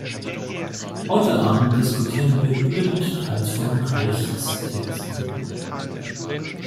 Heute Abend diskutieren wir über die Details von Rechtstexten.